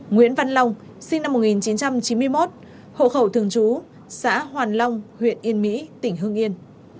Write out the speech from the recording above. nguyễn văn long sinh năm một nghìn chín trăm chín mươi một hộ khẩu thường trú xã hoàn long huyện yên mỹ tỉnh hương yên